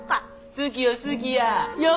好きや好きや！